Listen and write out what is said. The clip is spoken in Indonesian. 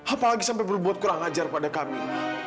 apalagi sampai berbuat kurang ajar pada kami